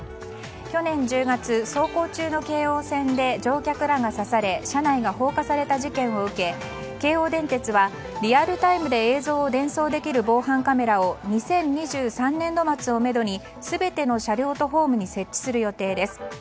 去年１０月、走行中の京王線で乗客らが刺され車内が放火された事件を受け京王電鉄はリアルタイムで映像を伝送できる防犯カメラを２０２３年度末をめどに全ての車両とホームに設置する予定です。